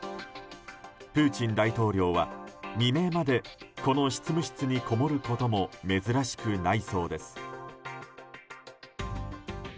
プーチン大統領は未明までこの執務室にこもることも珍しくないそうです。